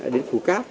đến phú cáp